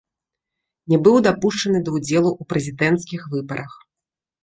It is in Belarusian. Не быў дапушчаны да ўдзелу ў прэзідэнцкіх выбарах.